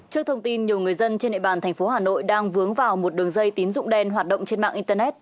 trước thông tin nhiều người dân trên nệm bàn tp hà nội đang vướng vào một đường dây tín dụng đen hoạt động trên mạng internet